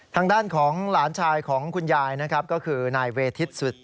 ทางด้านของหลานชายของคุณยายนะครับก็คือนายเวทิศสุด